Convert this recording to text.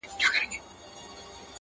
• مګر ولي، پښتانه لوستونکي -